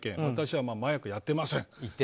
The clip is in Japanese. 私は麻薬、やってませんと。